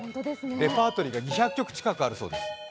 レパートリーが２００曲近くあるそうです。